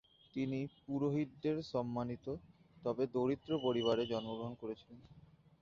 তিনি পুরোহিতদের সম্মানিত, তবে দরিদ্র পরিবারে জন্মগ্রহণ করেছিলেন।